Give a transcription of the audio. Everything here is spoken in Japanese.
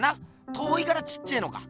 遠いからちっちぇのか。